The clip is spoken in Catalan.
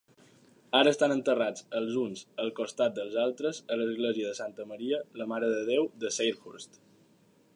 Ara estan enterrats els uns al costat dels altres a l'Església de Santa Maria la Mare de Déu de Salehurst.